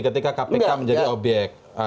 ketika kpk menjadi obyek